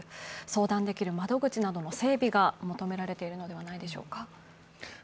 相談できる窓口などの整備が求められているのではないでしょうか。